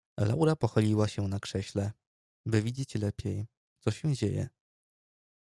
Laura pochyliła się na krześle, by widzieć lepiej, co się dzieje.